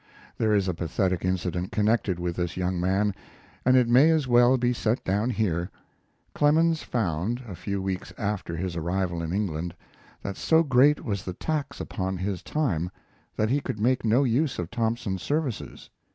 There is a pathetic incident connected with this young man, and it may as well be set down here. Clemens found, a few weeks after his arrival in England, that so great was the tax upon his time that he could make no use of Thompson's services.